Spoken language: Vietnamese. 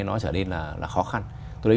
nó trở nên là khó khăn tôi thấy